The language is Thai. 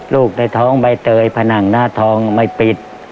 ลูกในท้องใบเตยผนังหน้าท้องไม่ปิด